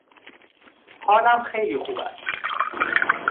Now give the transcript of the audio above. حالم خیلی خوبست!